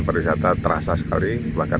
pariwisata terasa sekali bahkan